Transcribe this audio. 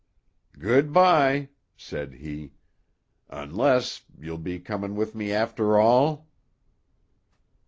"Good bye," said he, "unless you'll be comin' with me after all?"